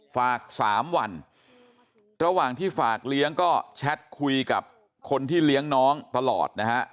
ฝาก๓วันระหว่างที่ฝากเลี้ยงก็แชทคุยกับคนที่เลี้ยงน้องตลอดนะฮะ